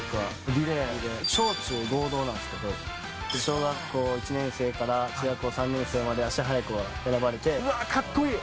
小中合同なんですけど、小学校１年生から中学校３年生まかっこいい。